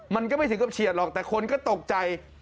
มันก็ไม่ถึงกับเฉียดหรอกแต่คนก็ตกใจ